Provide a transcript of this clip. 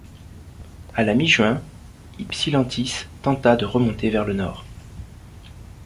À la mi-juin, Ypsilántis tenta de remonter vers le nord.